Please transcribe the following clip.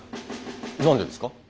何でですか？